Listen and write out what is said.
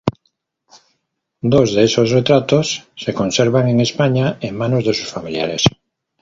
Dos de esos retratos se conservan en España en manos de sus familiares.